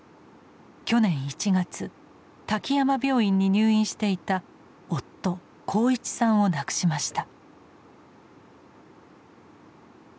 去年１月滝山病院に入院していた夫鋼一さんを亡くしました。